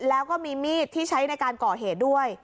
แล้วก็มีมีดที่ใช้ในการก่อเหตุด้วย